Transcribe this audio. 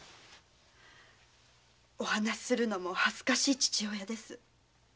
お話しするのも恥ずかしい父親です。